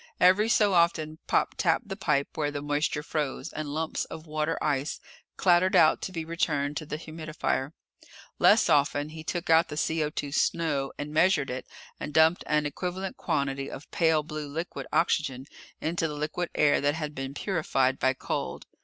Every so often Pop tapped the pipe where the moisture froze, and lumps of water ice clattered out to be returned to the humidifier. Less often he took out the CO snow, and measured it, and dumped an equivalent quantity of pale blue liquid oxygen into the liquid air that had been purified by cold.